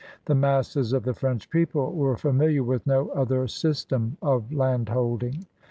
The masses of the French people were familiar with no other system of landholding.